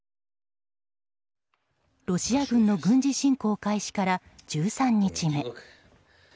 ロシア軍の軍事侵攻開始から１３日目。